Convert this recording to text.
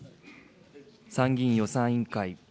参議院予算委員会。